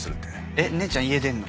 えっ姉ちゃん家出んの？